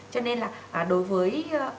cho nên là đối với